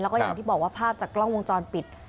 แล้วก็อย่างที่บอกว่าภาพจากกล้องวงจรปิด